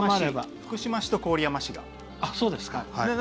福島市と郡山市が解除。